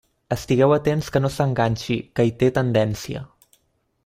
Estigueu atents que no s'enganxi, que hi té tendència.